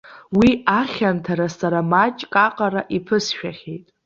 Уи ахьанҭара сара маҷк аҟара иԥысшәахьеит.